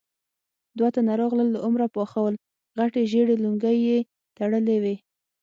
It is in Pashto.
دوه تنه راغلل، له عمره پاخه ول، غټې ژېړې لونګۍ يې تړلې وې.